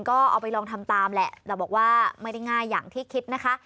ก็เอาไปลองทำตามแหละแต่บอกว่าไม่ได้ง่ายอย่างที่คิดนะคะ